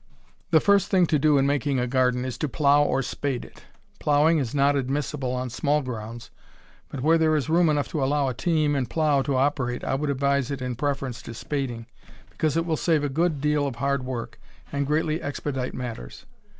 The first thing to do in making a garden is to plow or spade it. Plowing is not admissible on small grounds, but where there is room enough to allow a team and plow to operate I would advise it in preference to spading, because it will save a good deal of hard work, and greatly expedite matters.